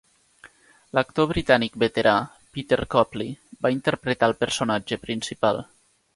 L'actor britànic veterà, Peter Copley, va interpretar el personatge principal.